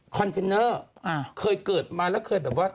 เทนเนอร์เคยเกิดมาแล้วเคยแบบว่า